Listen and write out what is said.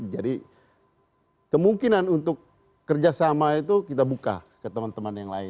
jadi kemungkinan untuk kerjasama itu kita buka ke teman teman yang lain